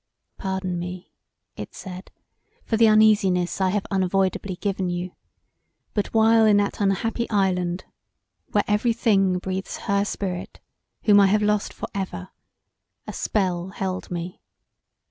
"Pardon me," it said, "for the uneasiness I have unavoidably given you: but while in that unhappy island, where every thing breathes her spirit whom I have lost for ever, a spell held me.